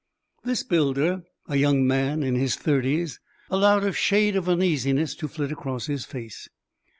This builder, a young man in his thirties, allowed a shade of uneasiness to flit across his face.